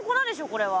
これは。